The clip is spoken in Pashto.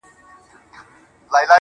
د ژوندون ساه د ژوند وږمه ماته كړه,